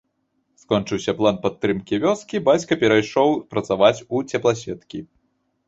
Скончыўся план падтрымкі вёскі, бацька перайшоў працаваць у цепласеткі.